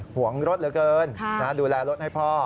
ห่วงรถเหลือเกินดูแลรถให้พ่อ